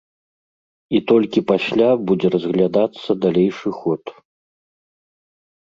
І толькі пасля будзе разглядацца далейшы ход.